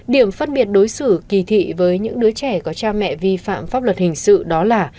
điểm phân biệt đối xử kỳ thị với những đứa trẻ có cha mẹ vi phạm pháp luật hình sự đó là